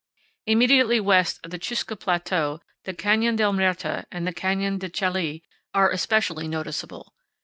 Immediately west of the Chusca Plateau the Canyon del Muerta and the Canyon de Chelly are especially noticeable.